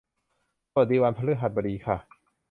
สวัสดีวันพฤหัสบดีค่ะ